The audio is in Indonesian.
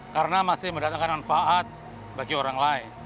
karena masih mendatangkan manfaat bagi orang lain